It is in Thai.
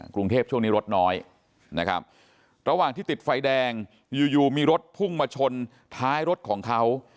กรุงเทพช่วงนี้รถน้อยนะครับระหว่างที่ติดไฟแดงอยู่อยู่มีรถพุ่งมาชนท้ายรถของเขา